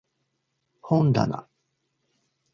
本だな